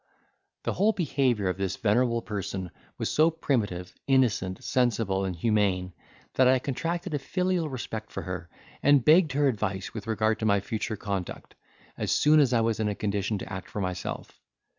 The whole behaviour of this venerable person was so primitive, innocent, sensible, and humane, that I contracted a filial respect for her, and begged her advice with regard to my future conduct, as soon as I was in a condition to act for myself.